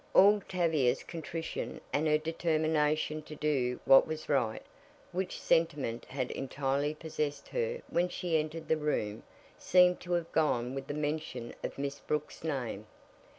All Tavia's contrition and her determination to do what was right, which sentiment had entirely possessed her when she entered the room, seemed to have gone with the mention of Miss Brooks' name.